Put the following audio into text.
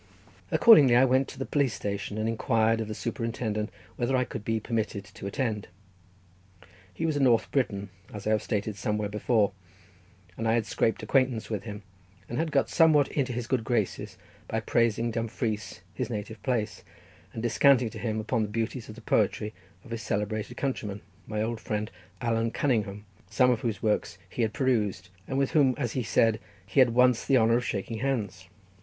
Accordingly I went to the police station and inquired of the superintendent whether I could be permitted to attend. He was a North Briton, as I have stated somewhere before, and I had scraped acquaintance with him, and had got somewhat into his good graces by praising Dumfries, his native place, and descanting to him upon the beauties of the poetry of his celebrated countryman, my old friend, Allan Cunningham, some of whose works he had perused, and with whom, as he said, he had once the honour of shaking hands.